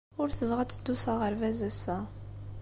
Ur tebɣi ad teddu s aɣerbaz ass-a.